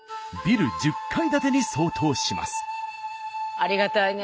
ありがたいね。